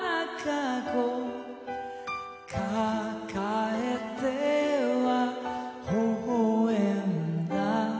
「抱えては微笑んだ」